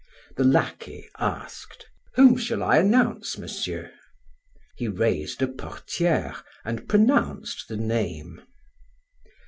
The lackey asked: "Whom shall I announce, Monsieur?" He raised a portiere and pronounced the name.